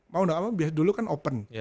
mau gak apa apa biasa dulu kan open